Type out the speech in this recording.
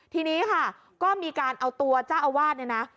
ทีนี้ค่ะก็มีการเอาตัวเจ้าอาวาสเนี่ยนะ